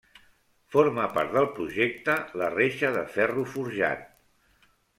Forma part del projecte la reixa de ferro forjat.